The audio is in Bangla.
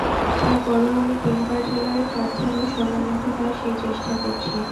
তার পরও আমি তিন কার্যালয়ের কাজ যেন সময়মতো হয়, সেই চেষ্টা করছি।